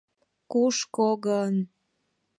Кушко гын?